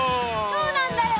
そうなんだよ。